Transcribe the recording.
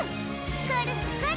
くるくる！